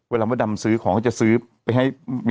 เขาไว้เมื่อหาสู้บ่อยเขาจะไปแบบ